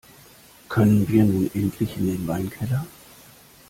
Können wir nun endlich in den Weinkeller?